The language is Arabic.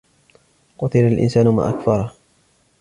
قُتِلَ الْإِنْسَانُ مَا أَكْفَرَهُ